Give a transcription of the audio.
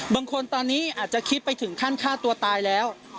บางคนตอนนี้อาจจะคิดไปถึงขั้นฆ่าตัวตายแล้ว